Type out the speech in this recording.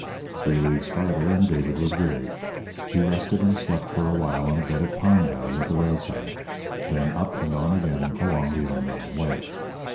Three leagues farther and David was weary. He rested and slept for a while on a bed of pine boughs at the roadside. Then up and on again along the unknown way.